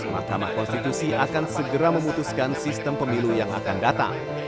mahkamah konstitusi akan segera memutuskan sistem pemilu yang akan datang